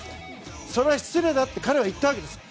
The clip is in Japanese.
それは失礼だって彼は言ったわけです。